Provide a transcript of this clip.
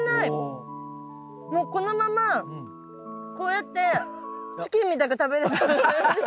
もうこのままこうやってチキンみたく食べれちゃう。